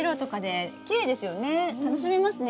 楽しめますね